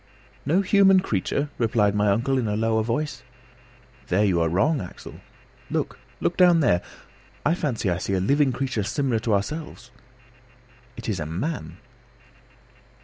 "No human creature?" replied my uncle in a lower voice. "You are wrong, Axel. Look, look down there! I fancy I see a living creature similar to ourselves: it is a man!"